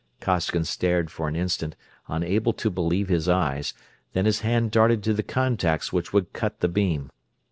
Costigan stared for an instant, unable to believe his eyes, then his hand darted to the contacts which would cut the beam.